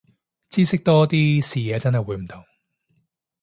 知識多啲，視野真係會唔同